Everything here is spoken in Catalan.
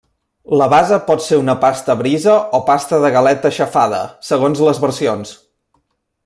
La base pot ser una pasta brisa o pasta de galeta aixafada, segons les versions.